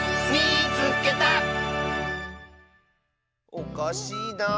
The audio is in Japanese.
おかしいなあ。